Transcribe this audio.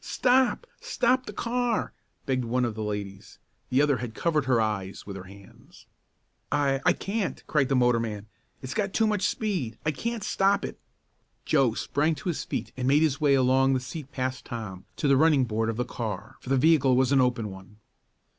"Stop! Stop the car!" begged one of the ladies. The other had covered her eyes with her hands. "I I can't!" cried the motorman. "It's got too much speed! I can't stop it." Joe sprang to his feet and made his way along the seat past Tom, to the running board of the car, for the vehicle was an open one.